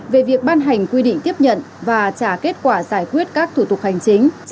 về việc ban hành quy định tiếp nhận và trả kết quả giải quyết các thủ tục hành chính